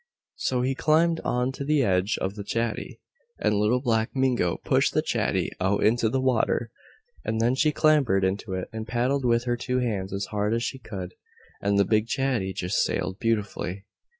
So he climbed on to the edge of the chatty, and Little Black Mingo pushed the chatty out into the water, and then she clambered into it and paddled with her two hands as hard as she could, and the big chatty just sailed beautifully.